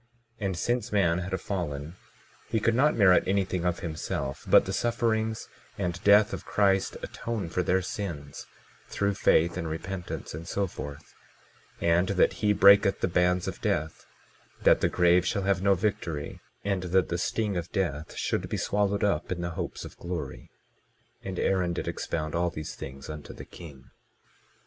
22:14 And since man had fallen he could not merit anything of himself; but the sufferings and death of Christ atone for their sins, through faith and repentance, and so forth; and that he breaketh the bands of death, that the grave shall have no victory, and that the sting of death should be swallowed up in the hopes of glory; and Aaron did expound all these things unto the king.